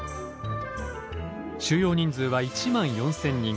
収容人数は１万４，０００人。